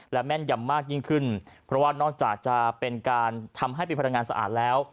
และแม่นยำมากยิ่งขึ้นเพราะว่านอกจากจะเป็นการทำให้เป็นพลังงานสะอาดแล้ว